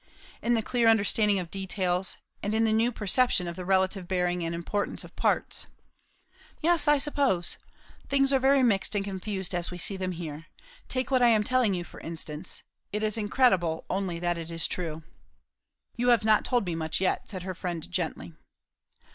"In the clear understanding of details, and in the new perception of the relative bearing and importance of parts." "Yes, I suppose so. Things are very mixed and confused as we see them here. Take what I am telling you, for instance; it is incredible, only that it is true." "You have not told me much yet," said her friend gently.